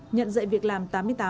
nhận dậy việc làm tám mươi tám